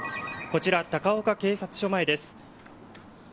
こちら、高岡警察署前です。